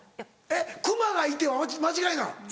えっ「クマがいて」は間違いなの？